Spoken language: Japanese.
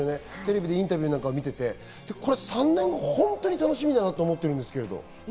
インタビューを見ていて、３年後本当に楽しみだと思っているんですけど。